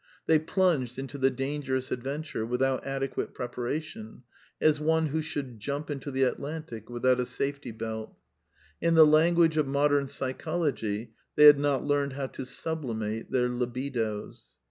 They plimged into the dangerous adventure without adequate preparation, as one who should jimip into the Atlantic with y out a safety belt. In the language of modem phychology, \/^ they had not learned how to " sublimate their libidos."